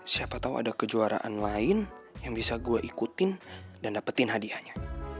siapa tahu ada kejuaraan lain yang bisa gue ikutin dan dapetin hadiahnya